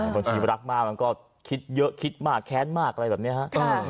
บางทีรักมากมันก็คิดเยอะคิดมากแค้นมากอะไรแบบนี้ฮะ